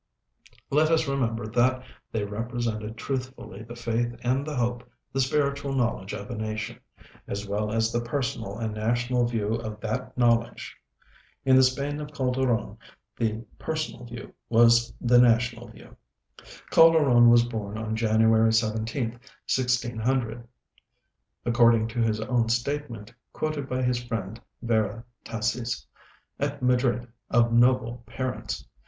Let us remember that they represented truthfully the faith and the hope, the spiritual knowledge of a nation, as well as the personal and national view of that knowledge. In the Spain of Calderon, the personal view was the national view. Calderon was born on January 17th, 1600, according to his own statement quoted by his friend Vera Tassis, at Madrid, of noble parents.